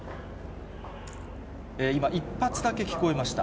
今、１発だけ聞こえました。